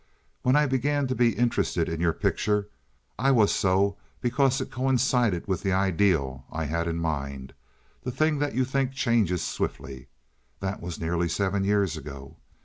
When I began to be interested in your picture I was so because it coincided with the ideal I had in mind—the thing that you think changes swiftly. That was nearly seven years ago.